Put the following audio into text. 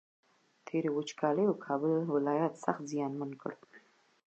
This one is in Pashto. تېرو وچکالیو کابل ولایت سخت زیانمن کړ